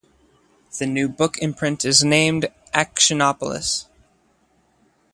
The new book imprint is named Actionopolis.